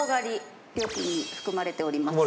料金に含まれております。